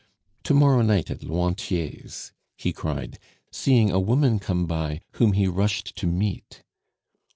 To morrow night at Lointier's " he cried, seeing a woman come by, whom he rushed to meet.